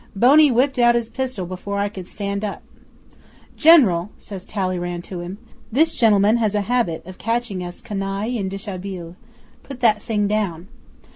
Boney whipped out his pistol before I could stand up. "General," says Talleyrand to him, "this gentleman has a habit of catching us canaille en deshabille. Put that thing down."